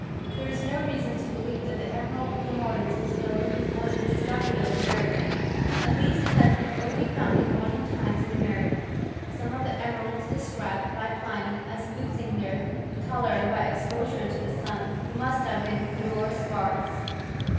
There is no reason to believe that theT emerald of the modems was known before the discoC very of America. At least it has been only found in modern times in America. Some of the emeralds dttf scribed by Pliny as losing their colour by exposure tPi the sun, must have been fiuor spars.